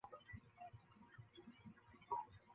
成泰帝追授勤政殿大学士。